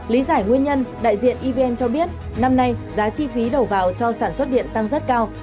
lý giải nguyên nhân đại diện evn cho biết năm nay giá chi phí đầu vào cho sản xuất điện tăng rất cao